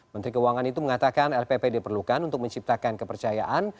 menteri keuangan itu mengatakan lpp diperlukan untuk menciptakan kepercayaan